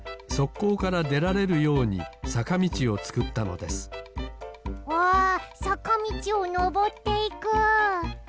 こうからでられるようにさかみちをつくったのですわさかみちをのぼっていく！